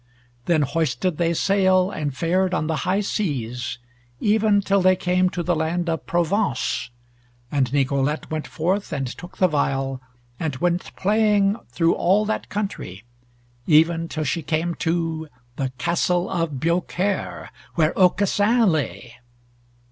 Then hoisted they sail, and fared on the high seas even till they came to the land of Provence. And Nicolete went forth and took the viol, and went playing through all that country, even till she came to the castle of Biaucaire, where Aucassin lay.